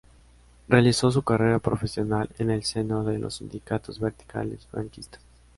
Realizó su carrera profesional en el seno de los Sindicatos Verticales franquistas.